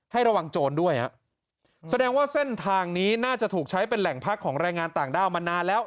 ระวังโจรด้วยฮะแสดงว่าเส้นทางนี้น่าจะถูกใช้เป็นแหล่งพักของแรงงานต่างด้าวมานานแล้ว